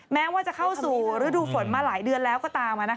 แม้ว่าจะเข้าสู่ฤดูฝนมาหลายเดือนแล้วก็ตาม